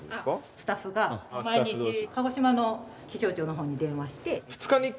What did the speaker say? スタッフが毎日鹿児島の気象庁の方に電話して。